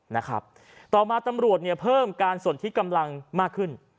นะครับต่อมาตำรวจเนี่ยเพิ่มการสนที่กำลังมากขึ้น